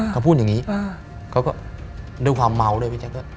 เขาพูดอย่างนี้เขาก็ด้วยความเมาเลยพี่แจ๊ค